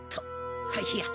あっいや。